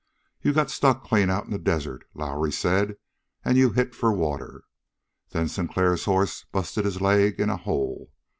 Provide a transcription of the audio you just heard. You got stuck clean out in the desert, Lowrie said, and you hit for water. Then Sinclair's hoss busted his leg in a hole.